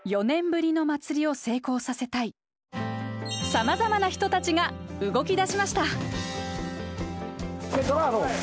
さまざまな人たちが動き出しました。